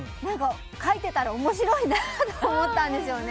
かいてたら面白いなと思ったんですよね。